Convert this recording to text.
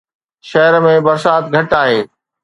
شهر ۾ برسات گهٽ آهي